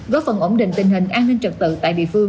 góp phần ổn định tình hình an ninh trật tự tại địa phương